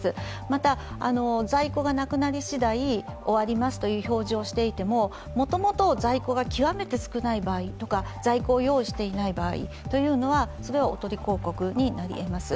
また、在庫がなくなりしだい終わりますという表示をしていてももともと在庫が極めて少ない場合とか在庫を用意していない場合というのはそれはおとり広告になり得ます。